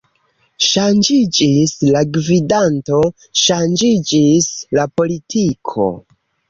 Ŝanĝiĝis la gvidanto, ŝanĝiĝis la politiko.